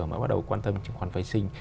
mà bắt đầu quan tâm chứng khoán vệ sinh